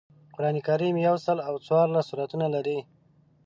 قران کریم یوسل او څوارلس سورتونه لري